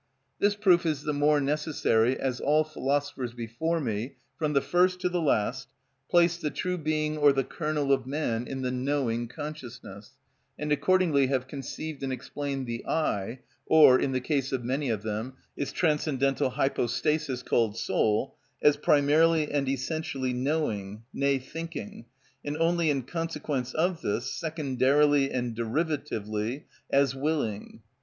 This proof is the more necessary as all philosophers before me, from the first to the last, place the true being or the kernel of man in the knowing consciousness, and accordingly have conceived and explained the I, or, in the case of many of them, its transcendental hypostasis called soul, as primarily and essentially knowing, nay, thinking, and only in consequence of this, secondarily and derivatively, as willing.